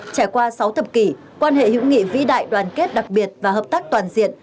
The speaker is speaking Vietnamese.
trải qua sáu thập kỷ quan hệ hữu nghị vĩ đại đoàn kết đặc biệt và hợp tác toàn diện